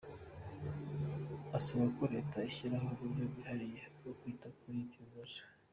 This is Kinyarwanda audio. Asaba ko Leta ishyiraho uburyo bwihariye bwo kwita kuri ibyo bibazo.